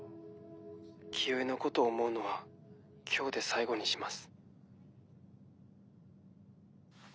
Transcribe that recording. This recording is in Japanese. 清居のことを想うのは今日で最後にします。